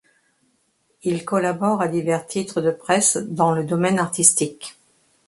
Il collabore à divers titres de presse dans le domaine artistique.